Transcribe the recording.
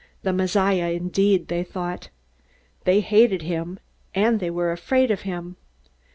The Messiah, indeed! they thought. They hated him, and they were afraid of him.